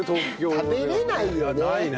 食べられないよね。